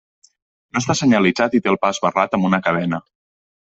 No està senyalitzat i té el pas barrat amb una cadena.